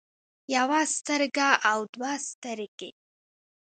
يوه سترګه او دوه سترګې